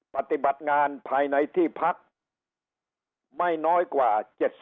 ปฏิบัติงานภายในที่พักไม่น้อยกว่า๗๐